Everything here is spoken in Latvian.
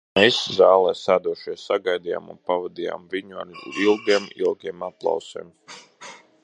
Mēs, zālē sēdošie, sagaidījām un pavadījām viņu ar ilgiem, ilgiem aplausiem.